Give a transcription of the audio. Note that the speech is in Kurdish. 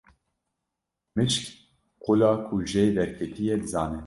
Mişk qula ku jê derketiye dizane.